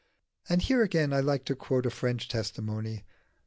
And here again I like to quote a French testimony.